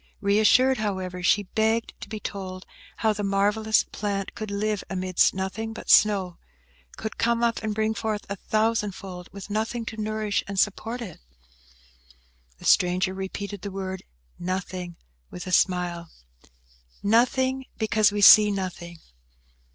Reassured, however, she begged to be told how the marvellous plant could live amidst nothing but snow; could come up, and bring forth a thousand fold, with nothing to nourish and support it? The stranger repeated the word "nothing" with a smile. "Nothing, because we see nothing!"